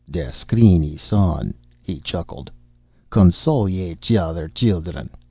"Der screen is on," he chuckled. "Console each other, children.